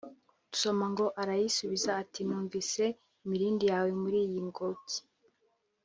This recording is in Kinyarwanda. Dusoma ngo “Arayisubiza ati ‘numvise imirindi yawe muri iyi ngobyi